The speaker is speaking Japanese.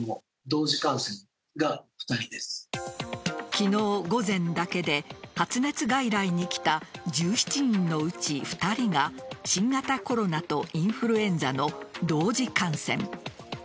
昨日午前だけで発熱外来に来た１７人のうち２人が新型コロナとインフルエンザの同時感染。